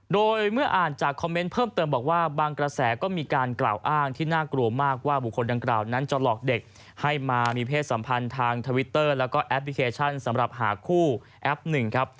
โดยเมื่ออ่านจากคอมเมนต์เพิ่มเติมบอกว่าบางกระแสก็มีการกล่าวอ้างที่น่ากลัวมากว่าบุคคลดังกล่าวนั้นจะหลอกเด็กให้มามีเพศสัมพันธ์ทางทวิตเตอร์แล้วก็แอปพลิเคชันสำหรับหาคู่แอปหนึ่งครับ